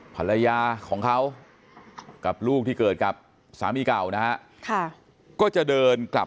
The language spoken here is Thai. ภรรยาของเขากับลูกที่เกิดกับสามีเก่านะฮะก็จะเดินกลับ